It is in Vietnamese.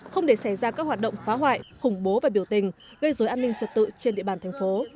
không để xảy ra các hoạt động phá hoại khủng bố và biểu tình gây dối an ninh trật tự trên địa bàn thành phố